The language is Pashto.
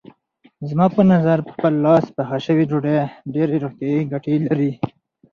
زما په نظر په خپل لاس پخه شوې ډوډۍ ډېرې روغتیايي ګټې لري.